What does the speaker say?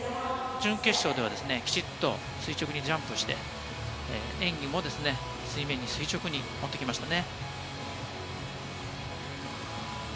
準決勝ではきちっと垂直にジャンプして演技も水面に垂直に持ってきましたね。